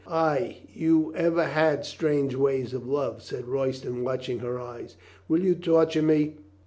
"Ay, you ever had strange ways of love," said Royston, watching her eyes. "Will you torture me?"